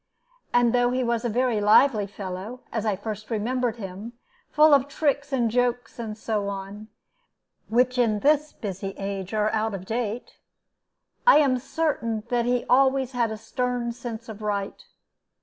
And though he was a very lively fellow, as I first remember him, full of tricks and jokes, and so on, which in this busy age are out of date, I am certain that he always had a stern sense of right.